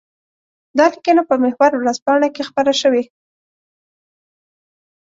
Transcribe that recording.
دا لیکنه په محور ورځپاڼه کې خپره شوې.